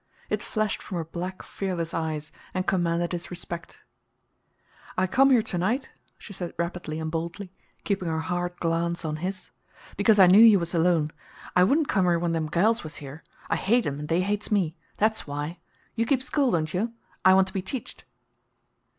It flashed from her black, fearless eyes, and commanded his respect. "I come here tonight," she said rapidly and boldly, keeping her hard glance on his, "because I knew you was alone. I wouldn't come here when them gals was here. I hate 'em and they hates me. That's why. You keep school, don't you? I want to be teached!"